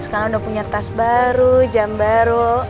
sekarang udah punya tas baru jam baru